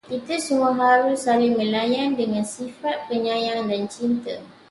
Kita semua harus saling melayan dengan sifat penyayang dan cinta